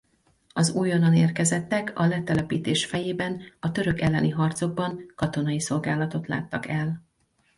Az újonnan érkezettek a letelepítés fejében a török elleni harcokban katonai szolgálatot láttak el.